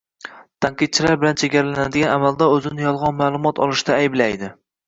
Tanqidchilar bilan chegaralanadigan amaldor o'zini yolg'on ma'lumot olishda ayblaydi